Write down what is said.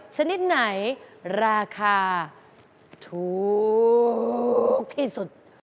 ชนิดไหนราคาถูกที่สุด